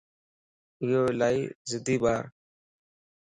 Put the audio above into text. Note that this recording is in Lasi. ايو الائي ضدي ٻارَ